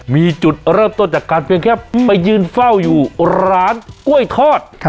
มีจุดเริ่มต้นจากการเพียงแค่ไปยืนเฝ้าอยู่ร้านกล้วยทอด